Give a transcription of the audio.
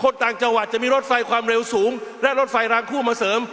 ต่างจังหวัดจะมีรถไฟความเร็วสูงและรถไฟรางคู่มาเสริม